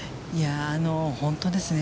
本当ですね。